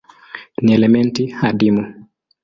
Ni elementi adimu.